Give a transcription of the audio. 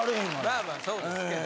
まあまあそうですけど。